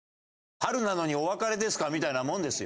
「“春なのにお別れですか”みたいなもんですよ」。